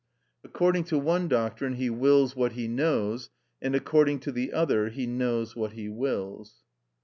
According to one doctrine he wills what he knows, and according to the other he knows what he wills.